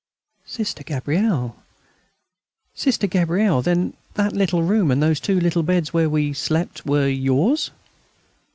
"Sister Gabrielle, ... Sister Gabrielle, then that little room and those two little beds where we slept, were yours?"